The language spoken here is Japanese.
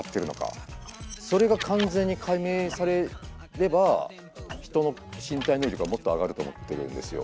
それが完全に解明されれば人の身体能力がもっと上がると思ってるんですよ。